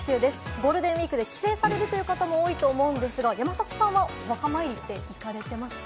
ゴールデンウイークで帰省される方も多いと思いますが、山里さんはお墓参り、行かれてますか？